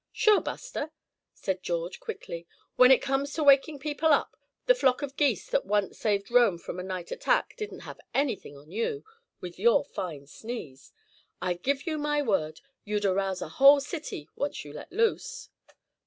"Sure, Buster," said George, quickly, "when it comes to waking people up, the flock of geese that once saved Rome from a night attack didn't have anything on you, with your fine sneeze. I give you my word, you'd arouse a whole city, once you let loose."